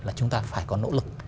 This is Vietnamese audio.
là chúng ta phải có nỗ lực